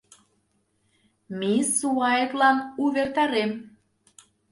Мисс Уайтлан увертарем.